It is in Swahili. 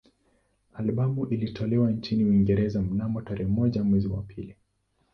Albamu ilitolewa nchini Uingereza mnamo tarehe moja mwezi wa pili